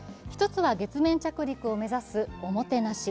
１つは月面着陸を目指す「オモテナシ」